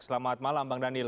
selamat malam bang daniel